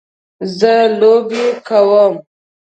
زه لوبې کوم